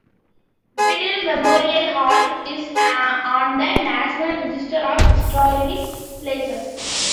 Biddle Memorial Hall is on the National Register of Historic Places.